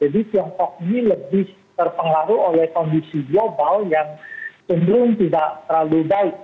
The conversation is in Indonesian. jadi tiongkok ini lebih terpengaruh oleh kondisi global yang cenderung tidak terlalu baik